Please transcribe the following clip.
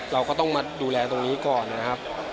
เราก็ต้องมาดูแลตรงนี้ก่อนนะครับ